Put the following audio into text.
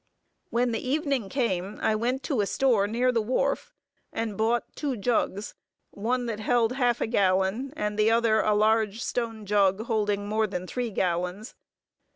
When the evening came, I went to a store near the wharf, and bought two jugs, one that held half a gallon, and the other, a large stone jug, holding more than three gallons.